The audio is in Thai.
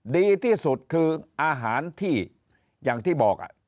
ดีที่สุดคืออาหารที่อย่างที่บอก